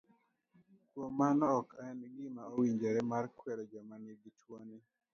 Kuom mano ok en gima owinjore mar kwedo joma nigi tuoni.